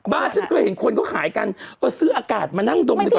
บ้านฉันเคยเห็นคนเขาขายกันก็ซื้ออากาศมานั่งดมดีกว่า